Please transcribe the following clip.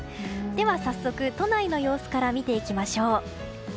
では早速、都内の様子から見ていきます。